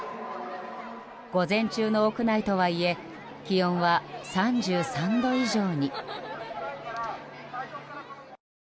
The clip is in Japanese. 午前中の屋内とはいえ気温は３３度以上に。